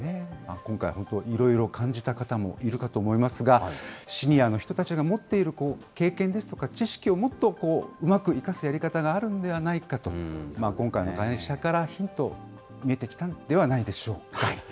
今回、本当いろいろ感じた方もいるかと思いますが、シニアの人たちが持っている経験ですとか知識を、もっとうまく生かすやり方があるんではないかという、今回の会社からヒントを得てきたのではないでしょうか。